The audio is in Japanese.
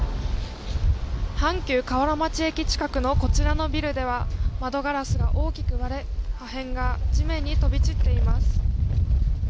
阪急河原町駅近くのこちらのビルでは窓ガラスが大きく割れ破片が地面に飛び散っています。